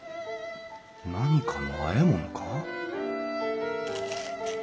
何かのあえ物か？